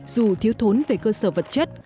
dù thiếu thốn về cơ sở vật chất